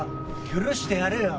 許してやるよ。